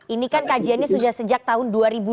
ini kan kajiannya sudah sejak tahun dua ribu dua